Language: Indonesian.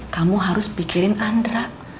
kamu harus pikirin andra